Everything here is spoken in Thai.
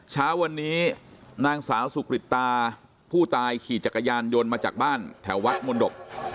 เช้าวันนี้นางสาวสุกริตตาผู้ตายขี่จักรยานยนต์มาจากบ้านแถววัดมนตก